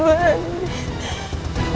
ibu amin ibu